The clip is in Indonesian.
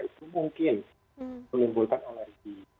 itu mungkin menimbulkan alergi